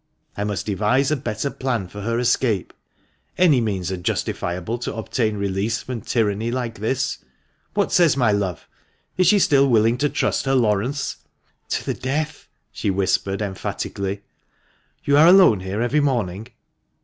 I must devise a better plan for her escape. Any means are justifiable to obtain release from tyranny' like this. What says my love? Is she still willing to trust her Laurence ?"" To the death !" she whispered, emphatically. " You are alone here every morning